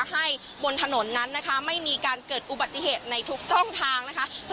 ให้บนถนนไม่มีการเกิดอุบัติเหตุในทุกท่องทาง